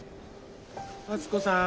敦子さん。